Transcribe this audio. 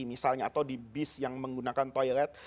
misalnya bis yang menggunakan toilet